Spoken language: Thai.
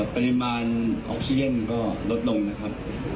ปริมาณออกซีเย็นก็ลดลงนะครับ